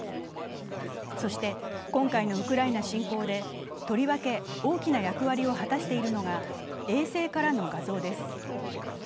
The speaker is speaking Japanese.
そして、今回のウクライナ侵攻でとりわけ大きな役割を果たしているのが衛星からの画像です。